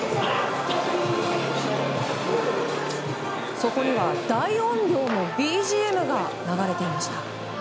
そこには大音量のＢＧＭが流れていました。